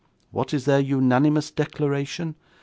What is their unanimous declaration?